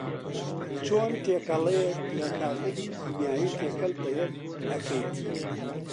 چۆن تێکەڵیەک لە کارلێکی کیمیایی تێکەڵ بەیەک ئەکەیت